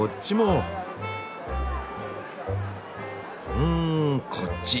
うんこっち。